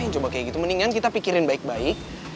coba kayak gitu mendingan kita pikirin baik baik